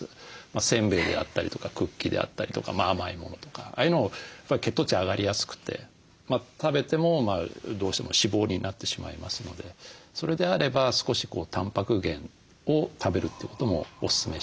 せんべいであったりとかクッキーであったりとか甘い物とかああいうの血糖値上がりやすくて食べてもどうしても脂肪になってしまいますのでそれであれば少したんぱく源を食べるということもおすすめしています。